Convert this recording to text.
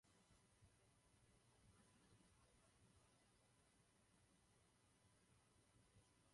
Kromě toho byl ředitelem Ústředního svazu zemědělství a lesnictví pro Čechy a Moravu.